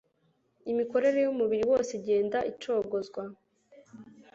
Imikorere yumubiri wose igenda icogozwa